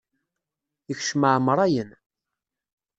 Ikcem ɛamṛayen.